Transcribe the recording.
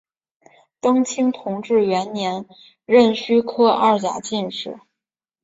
登清同治元年壬戌科二甲进士。